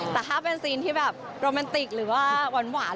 แต่ถ้าเป็นซีนที่แบบโรแมนติกหรือว่าหวาน